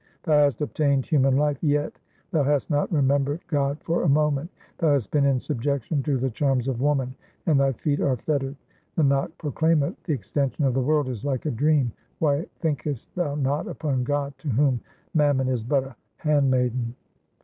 Thou hast obtained human life, yet thou hast not remem bered God for a moment ; thou hast been in subjection to the charms of woman and thy feet are fettered. Nanak proclaimeth, the extension of the world is like a dream ; why thinkest thou not upon God to whom mam mon is but a handmaiden